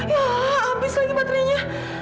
ya ya abis lagi baterainya